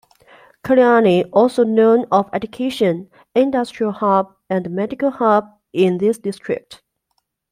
Kalyani also known of education, industrial hub and medical hub in this district.